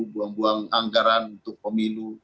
buang buang anggaran untuk pemilu